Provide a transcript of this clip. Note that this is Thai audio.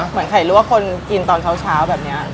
เหมือนไข่ลวกคนกินตอนเช้าแบบนี้